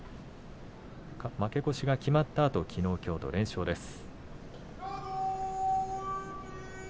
負け越しが決まったあときのうきょうと連勝です。